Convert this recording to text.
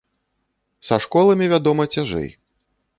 Са школамі, вядома, цяжэй.